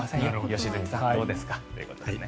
良純さん、どうですか。